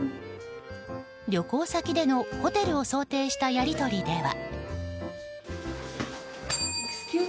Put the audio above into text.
旅行先でのホテルを想定したやり取りでは。